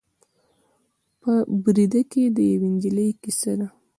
په بریده کې د یوې نجلۍ کیسه ده.